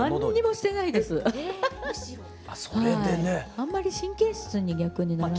あんまり神経質に逆にならない。